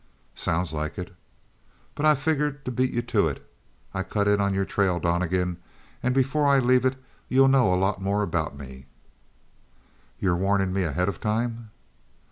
"Sounds like it." "But I figured to beat you to it. I cut in on your trail, Donnegan, and before I leave it you'll know a lot more about me." "You're warning me ahead of time?"